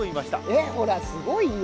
えっほらすごいよ。